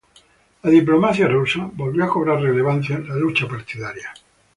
La diplomacia rusa volvió a cobrar relevancia en la lucha partidaria.